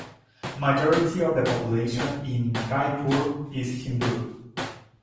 Majority of the population in Raipur is Hindu.